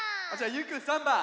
ゆうくん３ばん！